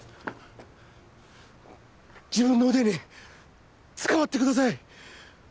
自分の腕につかまってください！